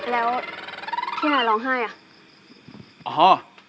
แล้วที่มาร้องไห้อ่ะ